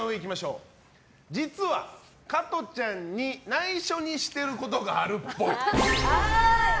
実は加トちゃんに内緒にしていることがあるっぽい。